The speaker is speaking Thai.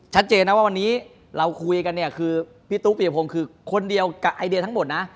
ชัดเจนว่าวันนี้เราคุยกันพี่ตุ๊กกับผมคือคนเดียวกับไอเดียทั้งหมดนะ